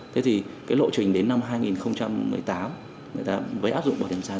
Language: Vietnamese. thế thì cái lộ trình đến năm hai nghìn một mươi tám với áp dụng bỏ điểm sàn